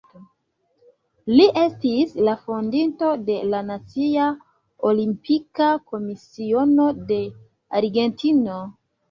Li estis la fondinto de la Nacia Olimpika Komisiono de Argentino.